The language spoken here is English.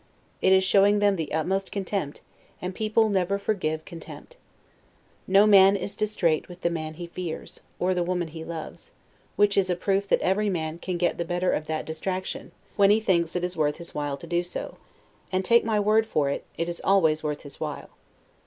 It is showing them the utmost contempt; and people never forgive contempt. No man is distrait with the man he fears, or the woman he loves; which is a proof that every man can get the better of that DISTRACTION, when he thinks it worth his while to do so; and, take my word for it, it is always worth his while.